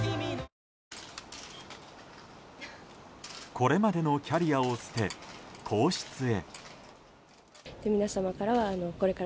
これまでのキャリアを捨て皇室へ。